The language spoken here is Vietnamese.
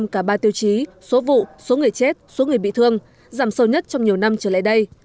cả ba tiêu chí số vụ số người chết số người bị thương giảm sâu nhất trong nhiều năm trở lại đây